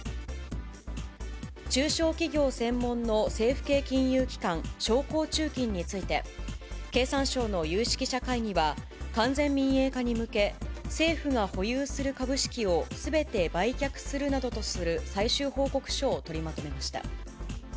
中小企業専門の政府系金融機関、商工中金について、経産省の有識者会議は、完全民営化に向け、政府が保有する株式をすべて売却するなどとする最終報告書を取りまとめました。